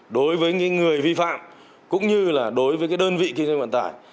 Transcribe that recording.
đối với những người vi phạm cũng như là đối với đơn vị kinh doanh vận tải